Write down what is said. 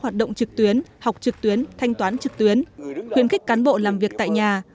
hoạt động trực tuyến học trực tuyến thanh toán trực tuyến khuyến khích cán bộ làm việc tại nhà